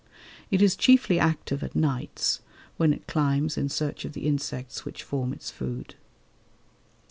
It is chiefly active at nights, when it climbs in search of the insects which form its food.